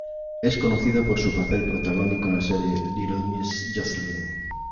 Es conocida por su papel protagónico en la serie "Little Miss Jocelyn".